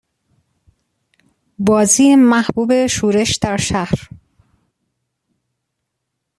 بازی محبوب شورش در شهر